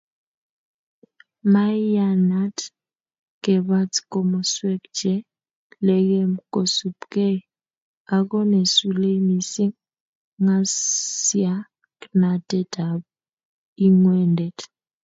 Maiyanat kebat komosweek che legem kosupgei ako ne sulei missing ng'asyaknatetab ing'wendet.